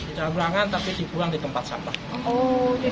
tidak berangan tapi dibuang di tempat sampah